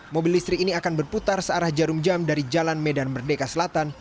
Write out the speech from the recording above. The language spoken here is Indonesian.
mobil listrik ini akan berputar searah jarum jam dari jalan medan merdeka selatan